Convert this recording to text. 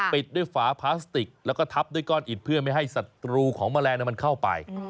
ปิดด้วยฝาพลาสติกแล้วก็ทับด้วยก้อนอิดเพื่อไม่ให้ศัตรูของแมลงมันเข้าไป